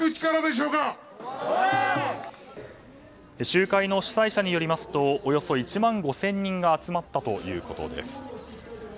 集会の主催者によりますとおよそ１万５０００人が集まったということです。